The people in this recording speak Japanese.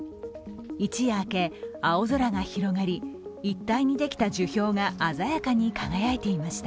一夜明け、青空が広がり、一帯にできた樹氷が鮮やかに輝いていました。